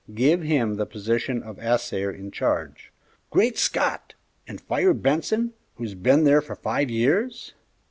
"Give him the position of assayer in charge." "Great Scott! and fire Benson, who's been there for five years?"